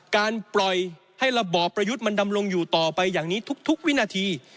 การปล่อยให้ระบอบประยุทธ์มันดำลงอยู่ต่อไปอย่างนี้ทุกวินาที